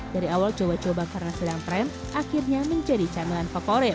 dari awal coba coba karena sedang tren akhirnya menjadi camilan favorit